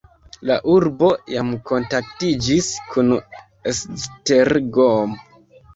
La urbo jam kontaktiĝis kun Esztergom.